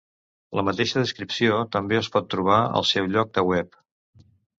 La mateixa descripció també es pot trobar al seu lloc de web.